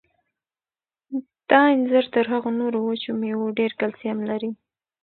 دا انځر تر هغو نورو وچو مېوو ډېر کلسیم لري.